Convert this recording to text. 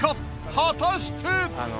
果たして。